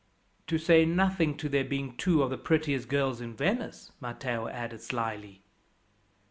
"To say nothing to their being two of the prettiest girls in Venice," Matteo added slyly.